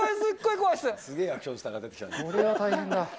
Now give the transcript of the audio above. これは大変だ。